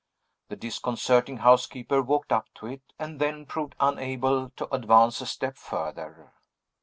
The disconcerting housekeeper walked up to it and then proved unable to advance a step further.